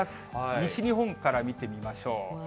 西日本から見てみましょう。